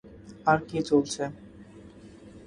আর কী চলছে?